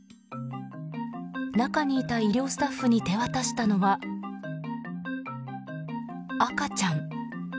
中にいた医療スタッフに手渡したのは、赤ちゃん。